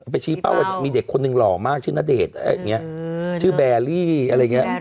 ไปชี้เป้าว่ามีเด็กคนนึงหล่อมากชื่อนาเดชน์ชื่อแบรี่อะไรอย่างเงี้ย